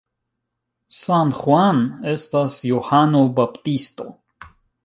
San Juan estas Johano Baptisto.